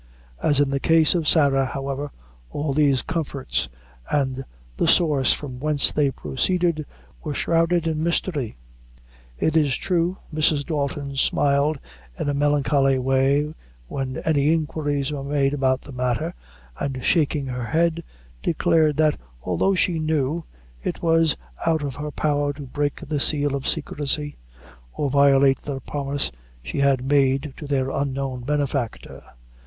As in the case of Sarah, however, all these comforts, and the source from whence they proceeded, were shrouded in mystery. It is true, Mrs. Dalton smiled in a melancholy way when any inquiries were made about the matter, and shaking her head, declared, that although she knew, it was out of her power to break the seal of secrecy, or violate the promise she had made to their unknown benefactor.